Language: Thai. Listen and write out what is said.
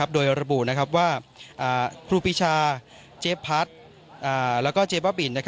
โดยระบุว่าครูปีชาเจ๊พัดแล้วก็เจ๊บ้าบิน